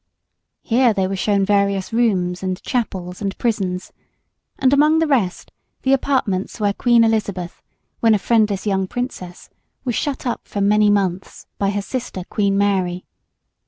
Here they were shown various rooms and chapels and prisons; and among the rest the apartments where Queen Elizabeth, when a friendless young Princess, was shut up for many months by her sister, Queen Mary.